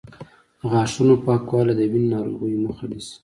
د غاښونو پاکوالی د وینې ناروغیو مخه نیسي.